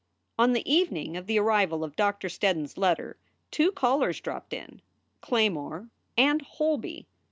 On the evening of the arrival of Doctor Steddon s letter two callers dropped in Claymore and Holby.